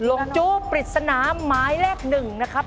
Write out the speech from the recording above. จู้ปริศนาหมายเลข๑นะครับ